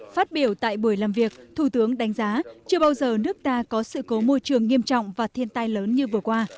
phát biểu tại buổi làm việc thủ tướng đánh giá chưa bao giờ nước ta có sự cố môi trường nghiêm trọng và thiên tai lớn như vừa qua